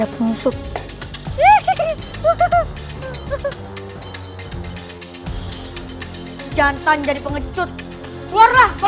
bisa lari dari hijab mereka